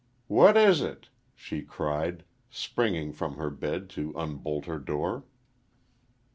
"What is it?" she cried, springing from her bed to unbolt her door.